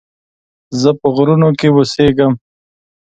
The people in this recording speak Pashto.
زه په غرونو کې اوسيږم